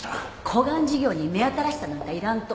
こがん事業に目新しさなんかいらんと。